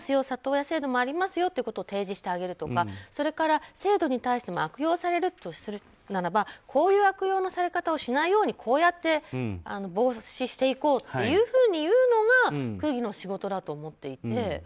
里親制度もありますよと提示してあげるとか制度に対しても悪用されるとするならばこういう悪用のされ方をしないように、こうやって防止していこうっていうふうに言うのが区議の仕事だと思っていて。